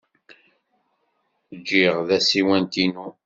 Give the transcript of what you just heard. Ǧǧiɣ tasiwant-inu.